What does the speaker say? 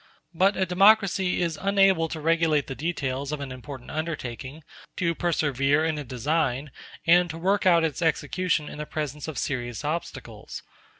But a democracy is unable to regulate the details of an important undertaking, to persevere in a design, and to work out its execution in the presence of serious obstacles.